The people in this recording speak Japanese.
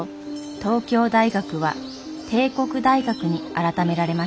東京大学は帝国大学に改められました。